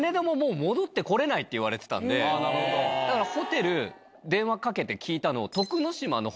だからホテル電話かけて聞いたの。